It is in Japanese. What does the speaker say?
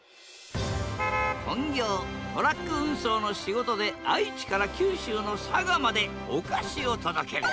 本業トラック運送の仕事で愛知から九州の佐賀までお菓子を届ける。